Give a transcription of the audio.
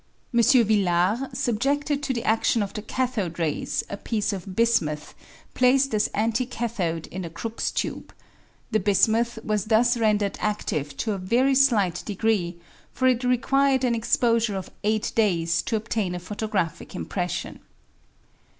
M. Villard subjeded to the adion of the cathode rays a piece of bismuth placed as anticathode in a Crookes tube; the bismuth was thus rendered adive to a very slight degree, for it required an exposure of eight days to obtain a photographic impression.